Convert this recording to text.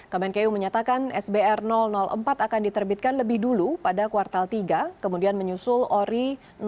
kemenkeu menyatakan sbr empat akan diterbitkan lebih dulu pada kuartal tiga kemudian menyusul ori enam